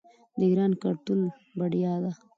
د ایران کلتور بډایه دی.